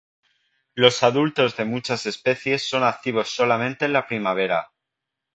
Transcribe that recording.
Los adultos de muchas especies son activos solamente en la primavera.